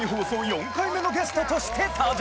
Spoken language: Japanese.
４回目のゲストとして登場！